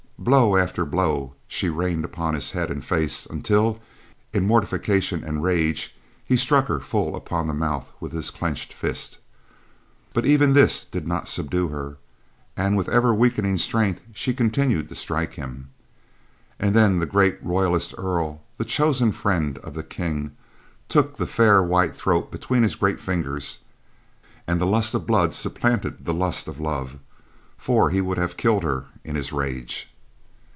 Blow after blow she rained upon his head and face until, in mortification and rage, he struck her full upon the mouth with his clenched fist; but even this did not subdue her and, with ever weakening strength, she continued to strike him. And then the great royalist Earl, the chosen friend of the King, took the fair white throat between his great fingers, and the lust of blood supplanted the lust of love, for he would have killed her in his rage.